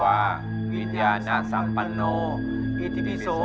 ว่าลิญญาณน่าสัมพันธ์หนู